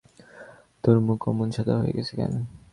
তোর মুখ অমন সাদা হয়ে গেছে কেন?